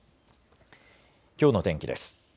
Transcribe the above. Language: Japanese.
きょうの天気です。